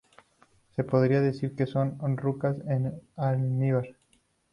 Se podría decir que son yucas en almíbar.